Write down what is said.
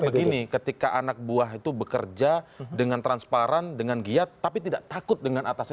mengumpulkan bahwa kita harus bekerja dengan transparan dengan giat tapi tidak takut dengan atasnya